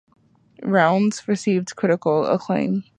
"Rounds" received critical acclaim.